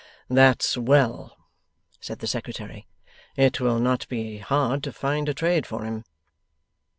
'That's well,' said the Secretary. 'It will not be hard to find a trade for him.